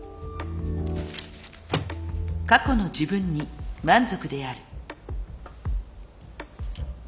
過去の自分に満足である。